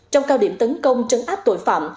trong cao điểm tấn công chấn áp tội phạm